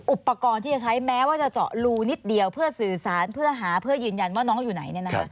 อุปกรณ์ที่จะใช้แม้ว่าจะเจาะรูนิดเดียวเพื่อสื่อสารเพื่อหาเพื่อยืนยันว่าน้องอยู่ไหน